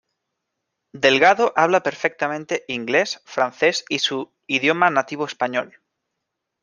Delgado habla perfectamente Ingles, Frances y su idioma nativo español.